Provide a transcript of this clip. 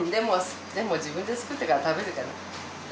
でも自分で作ってるから食べるかな？